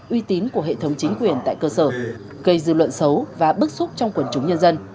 uy tín của hệ thống chính quyền tại cơ sở gây dư luận xấu và bức xúc trong quần chúng nhân dân